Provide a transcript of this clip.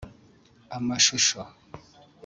amashusho